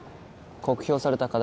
酷評された課題